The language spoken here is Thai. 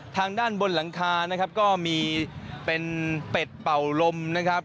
ทางด้านบนหลังคานะครับก็มีเป็นเป็ดเป่าลมนะครับ